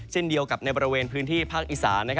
เช่นเดียวกับในบริเวณพื้นที่ภาคอีสาน